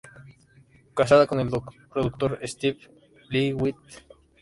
Casada con el productor Steve Lillywhite.